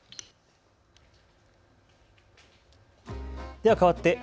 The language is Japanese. ではかわって＃